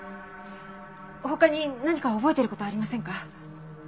他に何か覚えてる事ありませんか？